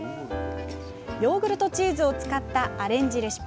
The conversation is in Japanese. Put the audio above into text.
ヨーグルトチーズを使ったアレンジレシピ。